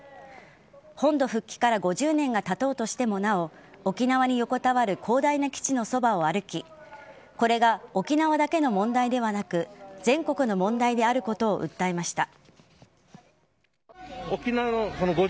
本土復帰から５０年がたとうとしてもなお沖縄に横たわる広大な基地のそばを歩きこれが沖縄だけの問題ではなく全国の問題であることを訴えました。